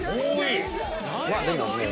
多い！